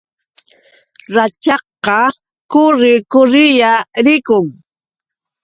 Rachakqa kuurri kurrilla rikun.